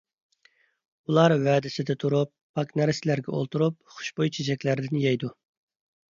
ئۇلار ۋەدىسىدە تۇرۇپ، پاك نەرسىلەرگە ئولتۇرۇپ، خۇشبۇي چېچەكلەردىن يەيدۇ.